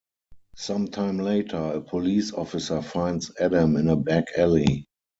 Some time later, a police officer finds Adam in a back alley.